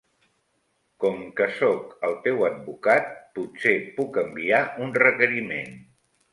Com que soc el teu advocat, potser puc enviar un requeriment.